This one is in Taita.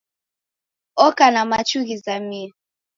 Oka na machu ghizamie.